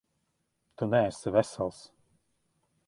Tu neesi vesels.